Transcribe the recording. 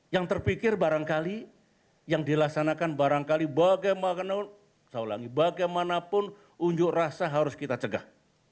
yang terpikir barangkali yang dilaksanakan barangkali bagaimanapun unjuk rasa harus kita cegah